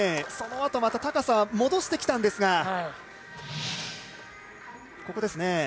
そのあと、高さは戻してきたんですが。